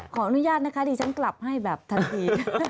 ขออนุญาตนะคะดิฉันกลับให้แบบทันที